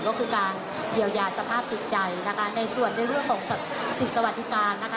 ก็คือการเยียวยาสภาพจิตใจนะคะในส่วนในเรื่องของสิทธิ์สวัสดิการนะคะ